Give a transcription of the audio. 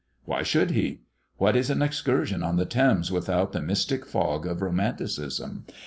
Why should he? What is an excursion on the Thames without the mystic fog of Romanticism?